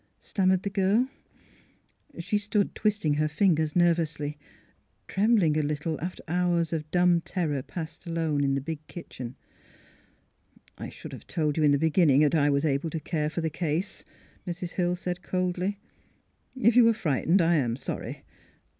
stammered the girl. She stood twisting her fingers nervously, trem bling a little after hours of dumb terror passed alone in the big kitchen. '' I should have told you in the beginning that I was able to care for the case," Mrs. Hill said, coldly. ^' If you were frightened, I am sorry.